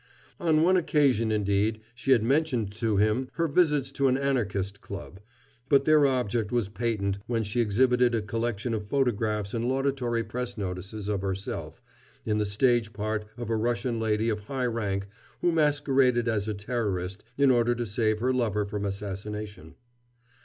On one occasion, indeed, she had mentioned to him her visits to an Anarchist club; but their object was patent when she exhibited a collection of photographs and laudatory press notices of herself in the stage part of a Russian lady of high rank who masqueraded as a Terrorist in order to save her lover from assassination.